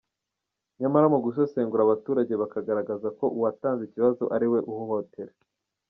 Nyamara mu gusesengura abaturage bakagaragaza ko uwatanze ikibazo ariwe uhohotera.